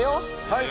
はい。